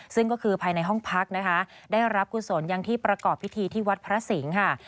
ซึ่งก็คือภายในห้องพักนะคะได้รับกุศลอย่างที่ประกอบพิธีที่วัดพระสิงห์ค่ะ